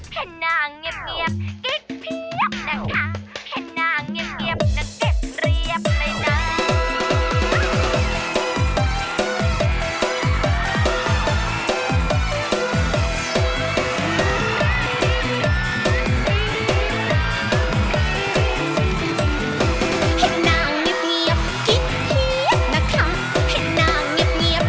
กิดเฮียบนะค่ะให้นางเงียบเงียบ